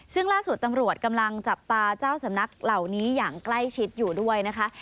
ซึ่งล่าสุดตำรวจกำลังจับตาเจ้าสำนักเหล่านี้อย่างใกล้ชิดอยู่ด้วยนะคะ